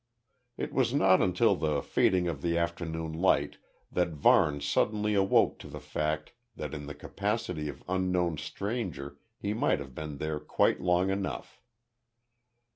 It was not until the fading of the afternoon light that Varne suddenly awoke to the fact that in the capacity of unknown stranger he might have been there quite long enough.